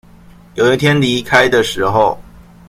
有一天離開的時候